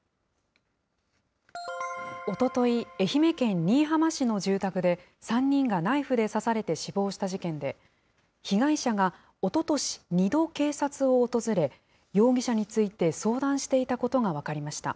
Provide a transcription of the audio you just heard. おととい、愛媛県新居浜市の住宅で、３人がナイフで刺されて死亡した事件で、被害者がおととし、２度警察を訪れ、容疑者について相談していたことが分かりました。